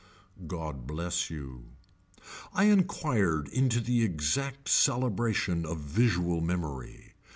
God bless you. I inquired into the exact celebration of visual memory.